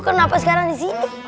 kenapa sekarang disini